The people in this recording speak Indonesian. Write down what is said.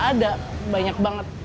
ada banyak banget